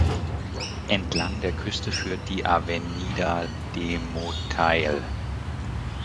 Entlang der Küste führt die Avenida de Motael.